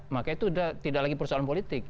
maka itu tidak lagi persoalan politik